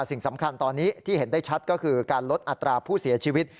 สิ่งสำคัญตอนนี้ที่เห็นได้ชัดก็คือการลดอัตราผู้เสียชีวิต